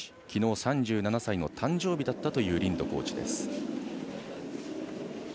昨日、３７歳の誕生日だったというリンドコーチ。